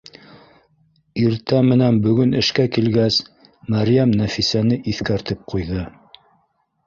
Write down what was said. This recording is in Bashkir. Иртә менән бөгөн эшкә килгәс, Мәрйәм Нәфисәне иҫ кәртеп ҡуйҙы: